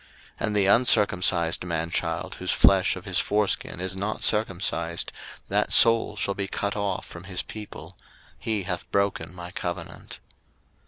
01:017:014 And the uncircumcised man child whose flesh of his foreskin is not circumcised, that soul shall be cut off from his people; he hath broken my covenant.